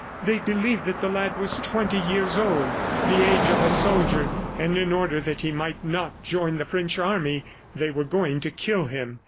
They believed that the lad was twenty years old, the age of a soldier, and in order that he might not join the French army, they were going to kill him.